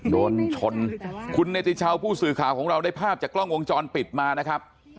โดนชนคุณเนติชาวผู้สื่อข่าวของเราได้ภาพจากกล้องวงจรปิดมานะครับ